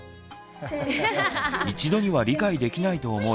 一度には理解できないと思い